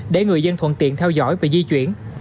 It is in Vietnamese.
để người dân thuận tiện theo dõi và di chuyển